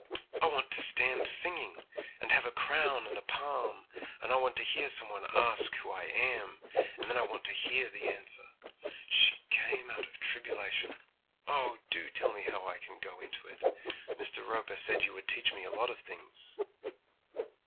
I want to stand singing, and have a crown and a palm, and I want to hear some one ask who I am; and then I want to hear the answer, "She came out of tribulation!" Oh! do tell me how I can go into it! Mr. Roper said you would teach me a lot of things.'